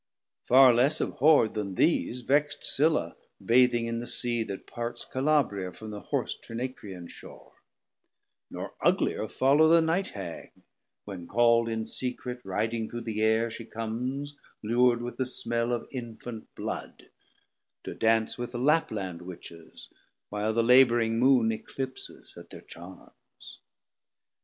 Farr less abhorrd then these Vex'd Scylla bathing in the Sea that parts 660 Calabria from the hoarce Trinacrian shore: Nor uglier follow the Night Hag, when call'd In secret, riding through the Air she comes Lur'd with the smell of infant blood, to dance With Lapland Witches, while the labouring Moon Eclipses at thir charms.